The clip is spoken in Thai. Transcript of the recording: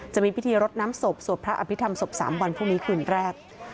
จะมีพิธีรดน้ำศพสวดพระอภิษฐรรศพ๓วันพรุ่งนี้คืนแรก